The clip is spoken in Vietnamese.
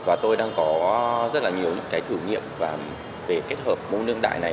và tôi đang có rất là nhiều những cái thử nghiệm về kết hợp môn đương đại này